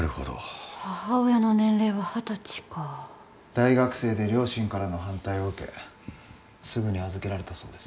大学生で両親からの反対を受けすぐに預けられたそうです。